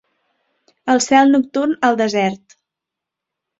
El cel nocturn al desert.